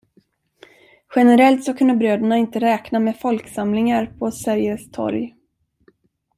Generellt så kunde bröderna inte räkna med folksamlingar på Sergels torg.